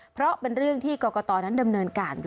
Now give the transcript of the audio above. เพราะเป็นเรื่องที่กรกตนั้นดำเนินการ